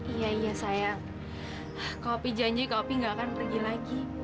iya iya saya kopi janji kopi gak akan pergi lagi